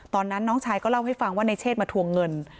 น้องชายก็เล่าให้ฟังว่าในเชศมาทวงเงิน